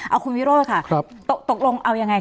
เอาคุณวิโรธค่ะตกลงเอายังไง